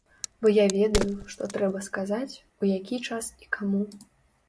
Бо я ведаю, што трэба сказаць, у які час і каму.